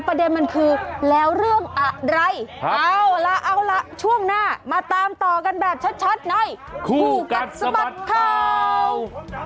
ประเด็นมันคือแล้วเรื่องอะไรเอาล่ะเอาล่ะช่วงหน้ามาตามต่อกันแบบชัดในคู่กัดสะบัดข่าว